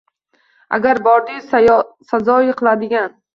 Agar bordi-yu sazoyi qiladigan